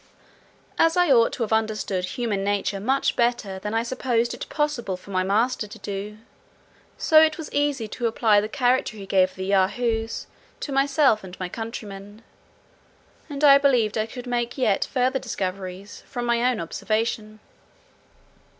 As I ought to have understood human nature much better than I supposed it possible for my master to do, so it was easy to apply the character he gave of the Yahoos to myself and my countrymen; and I believed I could yet make further discoveries, from my own observation.